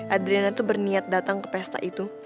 adriana itu berniat datang ke pesta itu